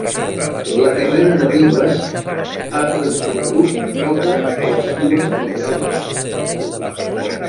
La carrera de Rivas ha transcorregut tota a les files del Real Betis.